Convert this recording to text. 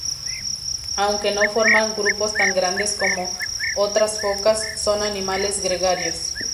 Aunque no forman grupos tan grandes como otras focas, son animales gregarios.